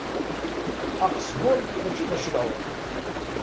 Aqesbuḍ mačči d acelɛuḍ.